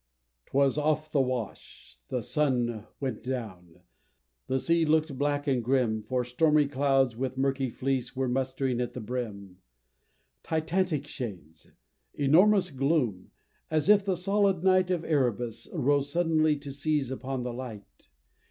'Twas off the Wash the sun went down the sea look'd black and grim, For stormy clouds, with murky fleece, were mustering at the brim; Titanic shades! enormous gloom! as if the solid night Of Erebus rose suddenly to seize upon the light!